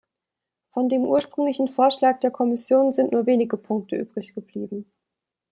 Von dem ursprünglichen Vorschlag der Kommission sind nur wenige Punkte übrig geblieben.